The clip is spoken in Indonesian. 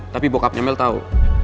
tapi bokapnya mel tau